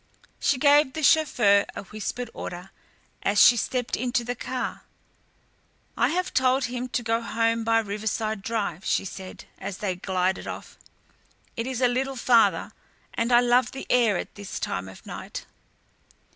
She gave the chauffeur a whispered order as she stepped into the car. "I have told him to go home by Riverside Drive," she said, as they glided off. "It is a little farther, and I love the air at this time of night."